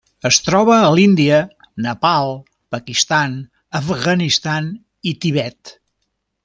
Es troba a l'Índia, Nepal, Pakistan, Afganistan i Tibet.